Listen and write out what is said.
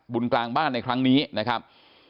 กลางบ้านในครั้งนี้นะครับ